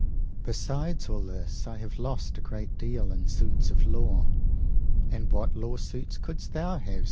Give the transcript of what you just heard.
Besides all this, I have lost a great deal in suits of law. And what lawsuits couldst thou have?